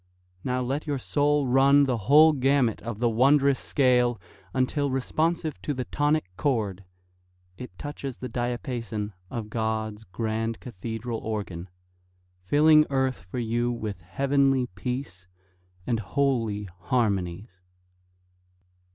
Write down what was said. Now let your soul run the whole gamut of the wondrous scale Until, responsive to the tonic chord, It touches the diapason of God's grand cathedral organ, Filling earth for you with heavenly peace And holy harmonies.